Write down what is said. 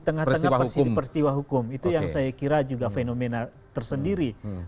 di tengah tengah peristiwa hukum itu yang saya kira juga fenomena tersendiri